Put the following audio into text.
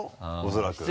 恐らく。